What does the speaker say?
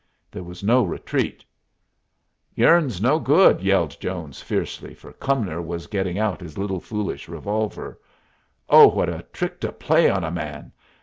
There was no retreat. "Yourn's no good!" yelled Jones, fiercely, for Cumnor was getting out his little, foolish revolver. "Oh, what a trick to play on a man!